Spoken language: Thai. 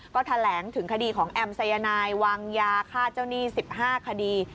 ก็แถลงถึงคดีของแอมสายนายวางยาฆ่าเจ้าหนี้๑๕คดี